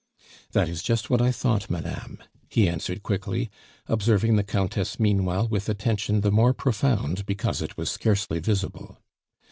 "That is just what I thought, madame," he answered quickly, observing the Countess meanwhile with attention the more profound because it was scarcely visible.